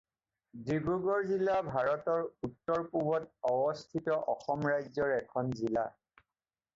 ডিব্ৰুগড় জিলা ভাৰতৰ উত্তৰ-পূবত অৱস্থিত অসম ৰাজ্যৰ এখন জিলা।